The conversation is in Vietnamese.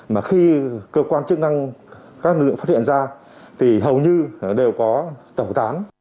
mà khi cơ quan chương đăng phát hiện ra thì hầu như đều có tẩu tán